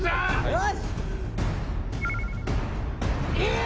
よし！